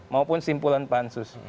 maupun simpulan pansus